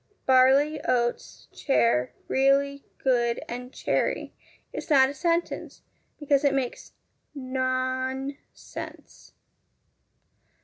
' Barley oats chair really good and cherry ' is not a sentence, because it makes no(n)sense.